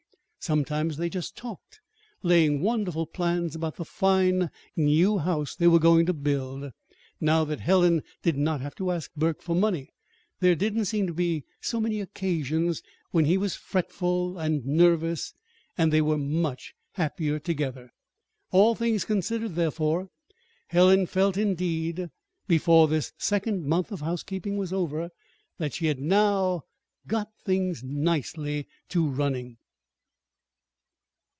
Sometimes they just talked, laying wonderful plans about the fine new house they were going to build. Now that Helen did not have to ask Burke for money, there did not seem to be so many occasions when he was fretful and nervous; and they were much happier together. All things considered, therefore, Helen felt, indeed, before this second month of housekeeping was over, that she had now "got things nicely to running."